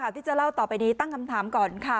ที่จะเล่าต่อไปนี้ตั้งคำถามก่อนค่ะ